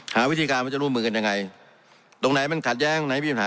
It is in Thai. หาวิธีการว่าจะร่วมมือกันยังไงตรงไหนมันขัดแย้งไหนมีปัญหา